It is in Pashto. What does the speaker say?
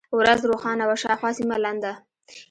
ورځ روښانه وه، شاوخوا سیمه لنده.